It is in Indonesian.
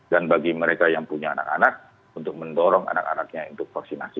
dan bagi mereka yang punya anak anak untuk mendorong anak anaknya untuk vaksinasi